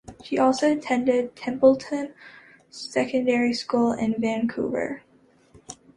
She also attended Templeton Secondary School in Vancouver.